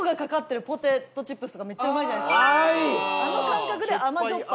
あの感覚で甘じょっぱ。